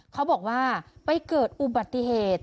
เขาบอกว่าไปเกิดอุบัติเหตุ